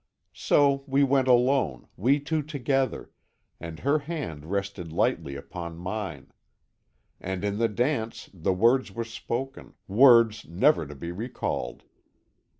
"So we went alone, we two together, and her hand rested lightly upon mine. And in the dance the words were spoken words never to be recalled.